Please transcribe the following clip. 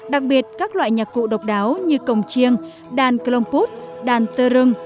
đặc biệt các loại nhạc cụ độc đáo như cồng chiêng đàn clompot đàn tơ rừng